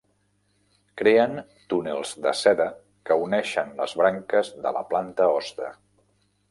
Creen túnels de seda que uneixen les branques de la planta hoste.